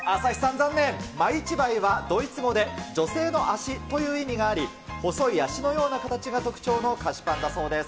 残念、マイチバイは、ドイツ語で女性の脚という意味があり、細い脚のような形が特徴の菓子パンだそうです。